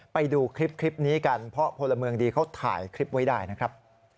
ไปดูคลิปนี้กันเพราะพลเมืองดีเขาถ่ายคลิปไว้ได้นะครับ